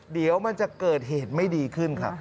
เดี๋ยวมันจะเกิดเหตุไม่ดีขึ้นครับ